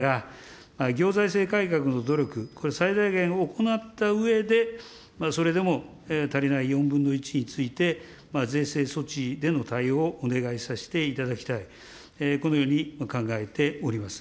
防衛力強化の財源確保については、先ほども、議論をさせていただきましたが、行財政改革の努力、これ最大限行ったうえで、それでも足りない４分の１について、税制措置での対応をお願いさせていただきたい、このように考えております。